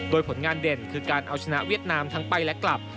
โดยผลงานเด่นคือการเอาชนะเวียดนามทั้งไปและกลับ